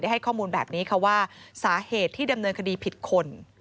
ให้ข้อมูลแบบนี้ค่ะว่าสาเหตุที่ดำเนินคดีผิดคน